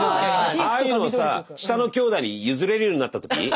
ああいうのをさ下のきょうだいに譲れるようになった時。